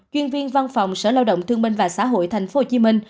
chuyên viên văn phòng sở lao động thương binh và xã hội tp hcm